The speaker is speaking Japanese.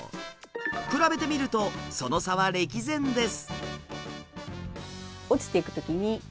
比べてみるとその差は歴然です。